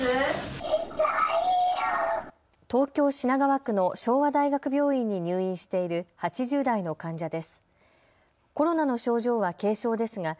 東京品川区の昭和大学病院に入院している８０代の患者です。